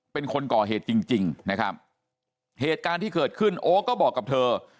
เป็นคนก่อเหตุจริงจริงนะครับเหตุการณ์ที่เกิดขึ้นโอ๊คก็บอกกับเธอ